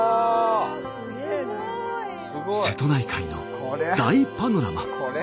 すごい！瀬戸内海の大パノラマ。